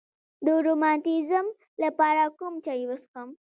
د روماتیزم لپاره کوم چای وڅښم؟